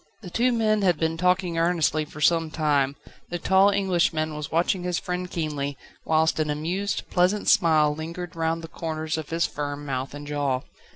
The two men had been talking earnestly for some time, the tall Englishman was watching his friend keenly, whilst an amused, pleasant smile lingered round the corners of his firm mouth and jaw.